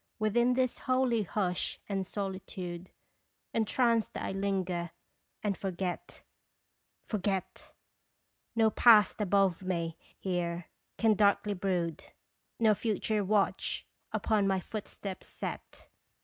Within this holy hush and solitude Entranced 1 linger, and forget forget; No Past above me here can darkly brood, Nor Future watch upon my footsteps set.